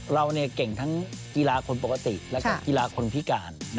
เราเก่งทั้งกีฬาคนปกติและกีฬาคนพิการ